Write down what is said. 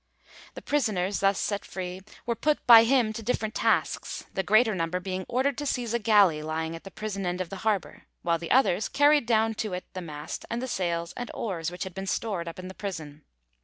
The prisoners, thus set free, were put by him to different tasks, the greater number being ordered to seize a galley lying at the prison end of the harbour, while the others carried down to it the mast and the sails and oars which had been stored up in the prison.